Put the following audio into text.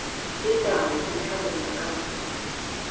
It dies in the company of God.